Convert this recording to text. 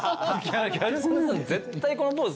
ギャル曽根さん絶対このポーズとるな。